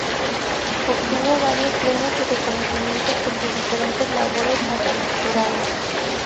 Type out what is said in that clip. Obtuvo varios premios y reconocimientos por sus diferentes labores actorales.